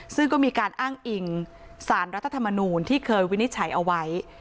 ซึ่งก็มีการอ้างอิงสารรัฐธรรมนูลที่เคยวินิจฉัยเอาไว้